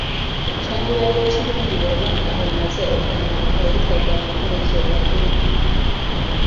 Kyandibadde kirungi bwoba ng'omaze okunaaba obutadda mu ngoye z'obaddemu